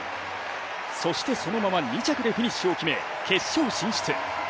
そして、そのまま２着でフィニッシュを決め、決勝進出。